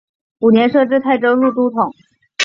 五年设置泰州路都统。